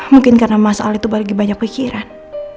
mungkin karena mas al itu lagi banyak pikiran